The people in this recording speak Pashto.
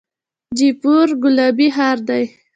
جیپور ګلابي ښار دی.